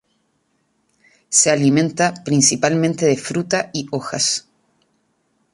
Se alimenta principalmente de fruta y hojas.